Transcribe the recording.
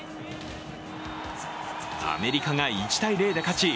アメリカが１−０で勝ち